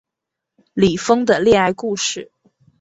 李锋的恋爱故事